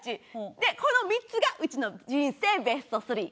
でこの３つがうちの人生ベストスリー。